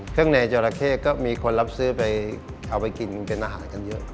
ในจราเข้ก็มีคนรับซื้อไปเอาไปกินเป็นอาหารกันเยอะ